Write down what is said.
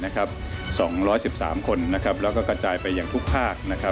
๒๑๓คนแล้วก็กระจายไปอย่างทุกภาค